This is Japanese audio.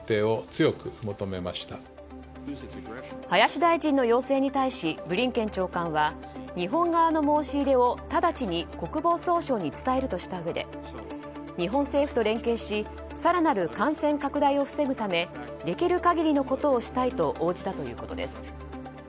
林大臣の要請に対しブリンケン長官は日本側の申し入れを直ちに国防総省に伝えるとしたうえで日本政府と連携し更なる感染拡大を防ぐためできる限りのことをしたいと応じたということです。